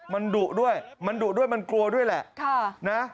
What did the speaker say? มันดุด้วยมันดุด้วยมันกลัวด้วยแหละ